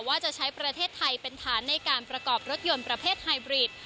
ว่าจะใช้ประเทศไทยเป็นฐานในการประกอบรถยนต์ประเภทไฮบรีด